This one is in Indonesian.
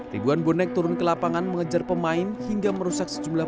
ribuan bonek turun ke lapangan mengejar pemain hingga merusak sejumlah